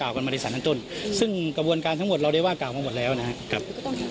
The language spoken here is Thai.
แล้วก็แล้วมันจะเพียงแพงไหมพี่อ๋อไม่มีปัญหาครับไม่มีปัญหาครับ